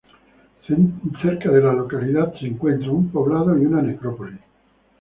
Cerca de la localidad se encuentra un poblado y una necrópolis.